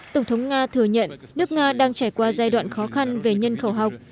tổng thống nga thừa nhận nước nga đang trải qua giai đoạn khó khăn về nhân khẩu học